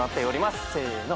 せの。